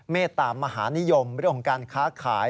เมตตามหานิยมเรื่องของการค้าขาย